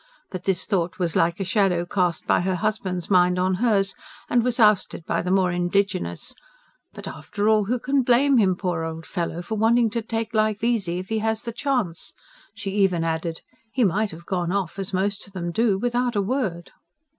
But this thought was like a shadow cast by her husband's mind on hers, and was ousted by the more indigenous: "But after all who can blame him, poor old fellow, for wanting to take life easy if he has the chance." She even added: "He might have gone off, as most of them do, without a word."